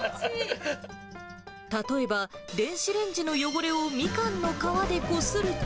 例えば、電子レンジの汚れをみかんの皮でこすると。